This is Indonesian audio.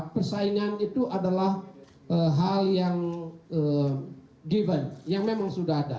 persaingan itu adalah hal yang given yang memang sudah ada